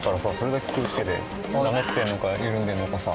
なめてるのか緩んでるのかさ